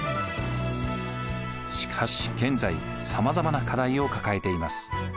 しかし現在さまざまな課題を抱えています。